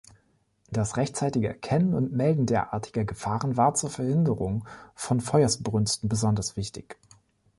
Das rechtzeitige Erkennen und Melden derartiger Gefahren war zur Verhinderung von Feuersbrünsten besonders wichtig.